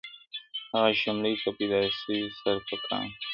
هغه شملې ته پیدا سوی سر په کاڼو ولي.!